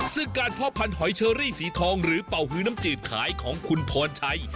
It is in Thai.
ซึ่งการเพาะพันธอยเชอรี่สีทองหรือเป่าฮือน้ำจืดขายของคุณพรชัย